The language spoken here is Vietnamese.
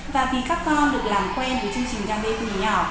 và vì các con được làm quen với chương trình gia bê từ nhỏ